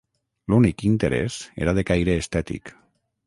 L'únic interès era de caire estètic.